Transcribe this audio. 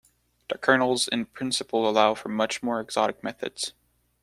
The kernels in principle allow for much more exotic methods.